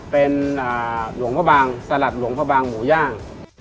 เป็นหลวงพระบางสลัดหลวงพระบางหมูย่าง